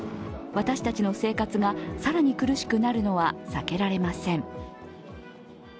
私たちの生活が更に苦しくなるのは避けられません。